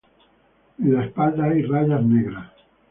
En la espalda hay rayas negras.